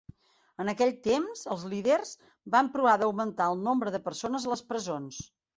En aquell temps, els líders van provar d'augmentar el nombre de persones a les presons.